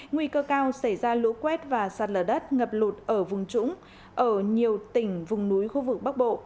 nguy cơ cao xảy ra lũ quét và sạt lở đất ngập lụt ở vùng trũng ở nhiều tỉnh vùng núi khu vực bắc bộ